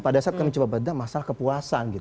pada saat kami coba bedah masalah kepuasan gitu